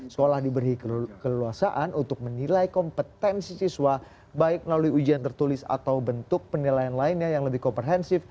sekolah diberi keleluasaan untuk menilai kompetensi siswa baik melalui ujian tertulis atau bentuk penilaian lainnya yang lebih komprehensif